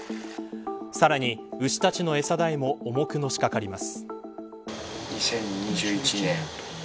さらに、牛たちの餌代も重くのしかかります。